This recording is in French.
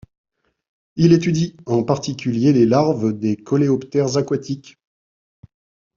Il étudie en particulier les larves des coléoptères aquatiques.